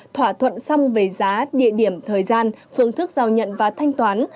thỏa thuận xong về giá địa điểm thời gian phương thức giao nhận và thanh toán